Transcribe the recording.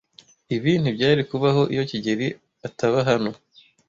Ibi ntibyari kubaho iyo kigeli ataba hano.